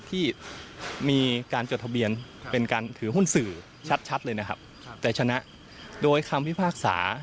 ที่มีการจดทะเบียนเป็นการถือหุ้นสื่อชัดเลยนะครับแต่ชนะโดยคำพิพากษา